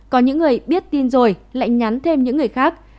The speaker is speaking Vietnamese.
có những người biết tin rồi lại nhắn thêm những người khác